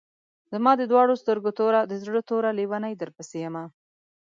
زما د دواڼو سترګو توره، د زړۀ ټوره لېونۍ درپسې يمه